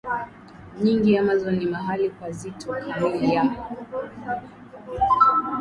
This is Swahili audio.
nyingi Amazon ni mahali pazito kamili ya